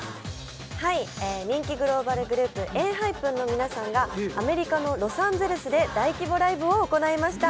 人気グローバルグループＥＮＨＹＰＥＮの皆さんがアメリカのロサンゼルスで大規模ライブを行いました。